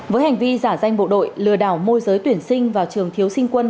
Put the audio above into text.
với hành vi giả danh bộ đội lừa đảo môi giới tuyển sinh vào trường thiếu sinh quân